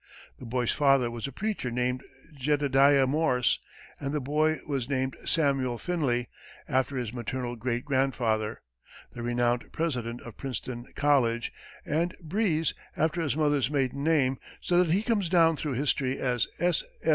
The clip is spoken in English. The boy's father was a preacher named Jedediah Morse, and the boy was named Samuel Finley, after his maternal great grandfather, the renowned president of Princeton College, and Breese, after his mother's maiden name, so that he comes down through history as S.